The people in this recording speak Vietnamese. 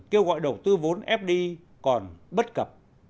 kêu gọi đầu tư vốn fd còn bất cập